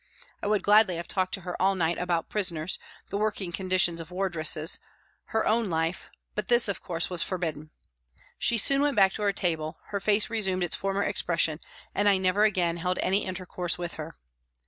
I would gladly have talked to her all night about prisoners, the working conditions of wardresses, her 112 PRISONS AND PRISONERS own life, but this, of course, was forbidden. She soon went back to her table, her face resumed its former expression and I never again held any inter course with her.